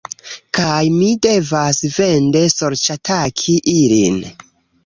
Kaj mi devas vende sorĉataki ilin